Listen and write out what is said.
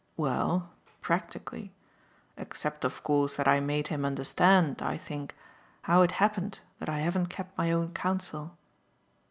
"Well, practically; except of course that I made him understand, I think, how it happened that I haven't kept my own counsel."